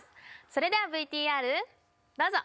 それではＶＴＲどうぞ！